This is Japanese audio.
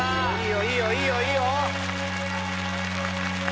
いいよいいよいいよ！